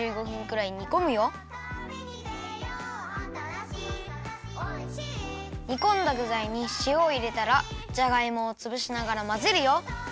「たびにでよう」「あたらしい『おいしい』」にこんだぐざいにしおをいれたらじゃがいもをつぶしながらまぜるよ。